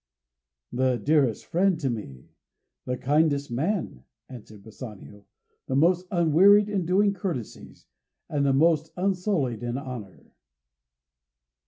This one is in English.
"The dearest friend to me, the kindest man!" answered Bassanio, "the most unwearied in doing courtesies, and the most unsullied in honour."